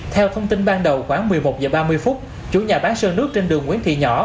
theo thông tin ban đầu khoảng một mươi một h ba mươi chủ nhà bán sơn nước trên đường nguyễn thị nhỏ